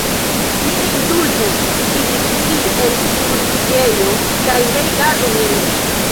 "Vi ne insultu," diris li el tiu rifuĝejo, "kaj ne rigardu min."